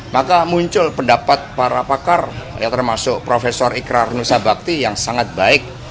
maka muncul pendapat para pakar ya termasuk prof ikrar nusa bakti yang sangat baik